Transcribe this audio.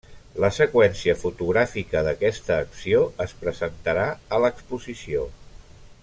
La seqüència fotogràfica d’aquesta acció es presentarà a l’exposició.